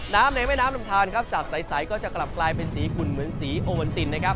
น้ำในแม่น้ำลำทานจากสายก็จะกลับกลายเป็นสีขุ่นเหมือนสีโอวันติน